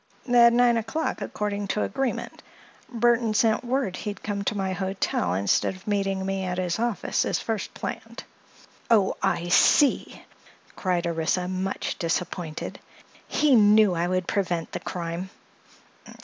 "At nine o'clock, according to agreement. Burthon sent word he'd come to my hotel instead of meeting me at his office, as first planned." "Oh, I see!" cried Orissa, much disappointed. "He knew I would prevent the crime."